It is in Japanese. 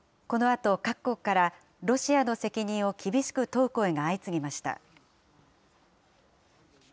このあと各国から、ロシアの責任を厳しく問う声が相次ぎました。